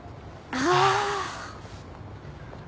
ああ。